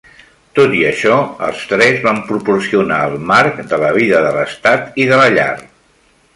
Tot i això, els tres van proporcionar el marc de la vida de l'estat i de la llar.